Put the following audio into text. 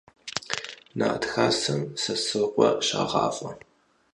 Нарт хасэм Сосрыкъуэ щагъафӀэ.